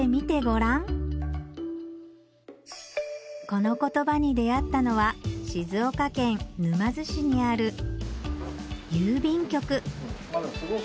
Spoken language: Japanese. この言葉に出合ったのは静岡県沼津市にある郵便局